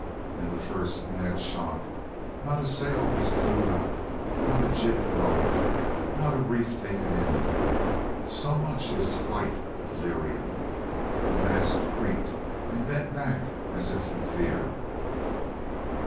In the first mad shock not a sail was clewed up, not a jib lowered, not a reef taken in, so much is flight a delirium. The mast creaked and bent back as if in fear.